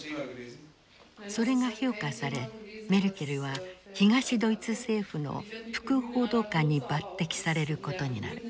それが評価されメルケルは東ドイツ政府の副報道官に抜てきされることになる。